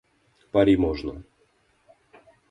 Пари можно.